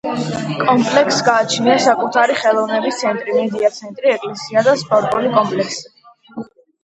კომპლექსს გააჩნია საკუთარი ხელოვნების ცენტრი, მედია ცენტრი, ეკლესია და სპორტული კომპლექსი.